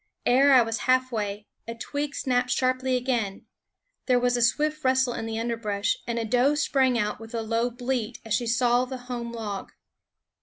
Ere I was halfway, a twig snapped sharply again; there was a swift rustle in the underbrush, and a doe sprang out with a low bleat as she saw the home log.